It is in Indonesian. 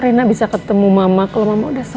reina bisa ketemu mama kalo mama udah sama